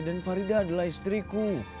dan faridah adalah istriku